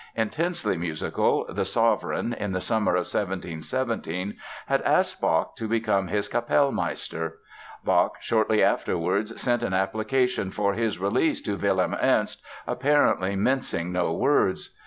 Intensely musical, that sovereign in the summer of 1717 had asked Bach to become his Kapellmeister. Bach shortly afterwards sent an application for his release to Wilhelm Ernst, apparently mincing no words.